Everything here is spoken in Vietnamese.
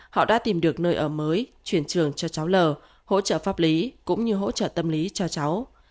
họ đã tìm được nơi ở mới chuyển trường cho cháu l hỗ trợ pháp lý cũng như hỗ trợ tâm lý cho cháu